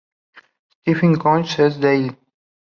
Stephens College" en Delhi.